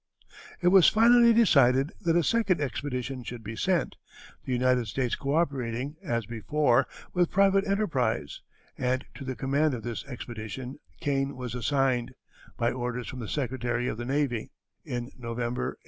It was finally decided that a second expedition should be sent, the United States co operating, as before, with private enterprise; and to the command of this expedition Kane was assigned, by orders from the Secretary of the Navy, in November, 1852.